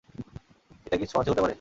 এটা কি ছোঁয়াচে হতে পারে?